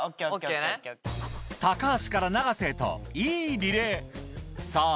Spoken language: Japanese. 橋から永瀬へといいリレーさぁ